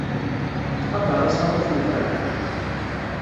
Ttqadar asaḍuf n yiberdan.